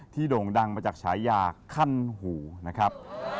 โด่งดังมาจากฉายาขั้นหูนะครับ